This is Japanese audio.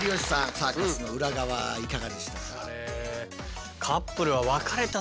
サーカスの裏側いかがでしたか？